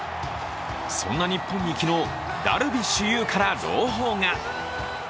そんな日本に昨日、ダルビッシュ有から朗報が。